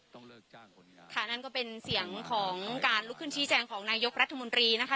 เลิกจ้างคนดังค่ะนั่นก็เป็นเสียงของการลุกขึ้นชี้แจงของนายกรัฐมนตรีนะคะ